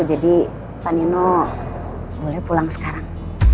jadi pak nino boleh pulang sekarang